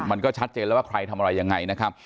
มันก็ชัดเจนแล้วว่าใครทำอะไรยังไงนะครับ